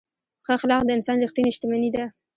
ښه اخلاق د انسان ریښتینې شتمني ده.